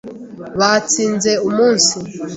Batsinze umunsi.